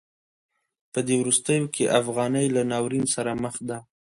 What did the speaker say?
په دې وروستیو کې افغانۍ له ناورین سره مخ ده.